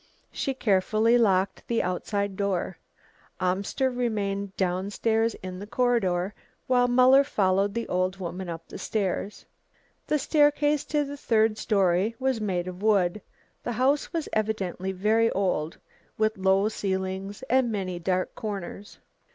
She carefully locked the outside door. Amster remained down stairs in the corridor, while Muller followed the old woman up the stairs. The staircase to the third story was made of wood. The house was evidently very old, with low ceilings and many dark corners.